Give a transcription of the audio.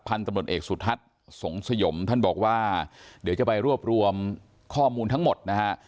ตำรวจเอกสุทัศน์สงสยมท่านบอกว่าเดี๋ยวจะไปรวบรวมข้อมูลทั้งหมดนะฮะ